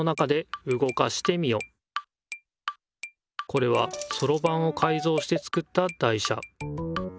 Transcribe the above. これはそろばんをかいぞうして作った台車。